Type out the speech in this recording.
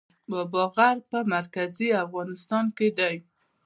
بابا غر په مرکزي افغانستان کې دی